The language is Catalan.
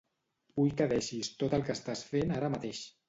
Vull que deixis tot el que estàs fent ara mateix.